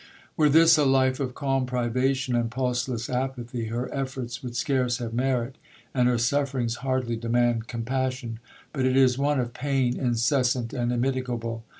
'Were this a life of calm privation, and pulseless apathy, her efforts would scarce have merit, and her sufferings hardly demand compassion; but it is one of pain incessant and immitigable.